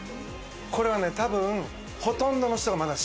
これはね多分ほとんどの人がまだ知らない。